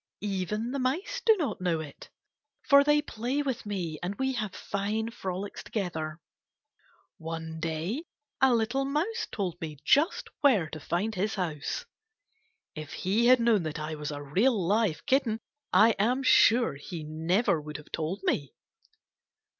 Even the mice do not know it, for they play with me and we have fine frolics together. One day a little mouse told me just where to find his house. If he had known that I was a real, live kitten, I am sure he never would have told me.